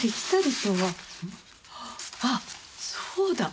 あっそうだ！